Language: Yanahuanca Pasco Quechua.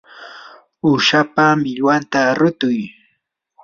uushapa millwanta rutuy.